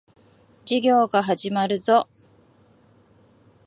授業が始まるぞ。